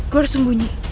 gue harus sembunyi